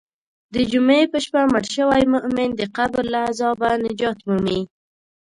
د جمعې په شپه مړ شوی مؤمن د قبر له عذابه نجات مومي.